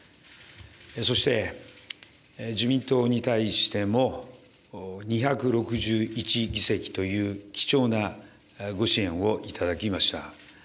そして、自民党に対しても、２６１議席という貴重なご支援を頂きました。